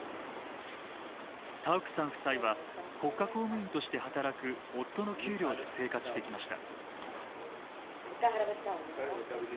タウクさん夫妻は国家公務員として働く夫の給料で生活してきました。